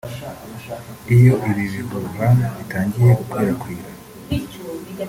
Iyo ibi bihuha bitangiye gukwirakwira